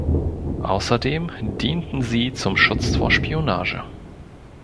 Außerdem dienten sie zum Schutz vor Spionage.